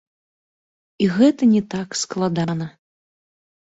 І гэта не так складана.